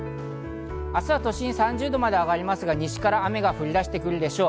明日は都心、３０度まで上がりますが、西から雨が降りだしてくるでしょう。